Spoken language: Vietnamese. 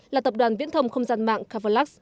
là tập đoàn viễn thông không gian mạng kavalux